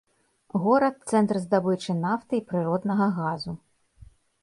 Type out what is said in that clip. Горад цэнтр здабычы нафты і прыроднага газу.